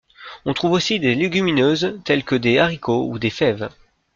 On trouve aussi des légumineuses telles que des haricots ou des fèves.